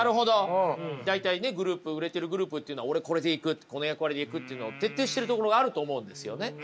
大体ね売れてるグループっていうのは俺これでいくってこの役割でいくっていうのを徹底してるところがあると思うんですよね。